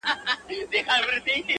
را سهید سوی، ساقي جانان دی~